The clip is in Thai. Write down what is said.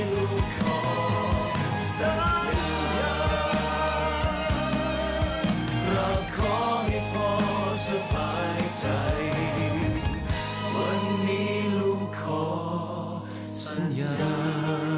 เราขอให้สัญญาเราขอให้พ่อสบายใจวันนี้ลุงขอสัญญา